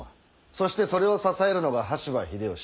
そしてそれを支えるのが羽柴秀吉。